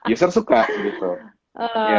user suka gitu